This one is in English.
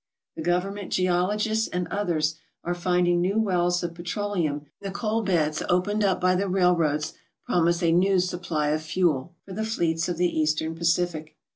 The government geologists and others are finding new wells of petroleum, and the coal beds opened up by the railroads promise a new supply of fuel for the fleets of the eastern Pacific.